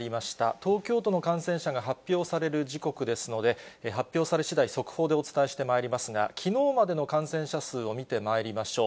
東京都の感染者が発表される時刻ですので、発表されしだい、速報でお伝えしてまいりますが、きのうまでの感染者数を見てまいりましょう。